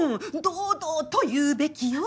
堂々と言うべきよ。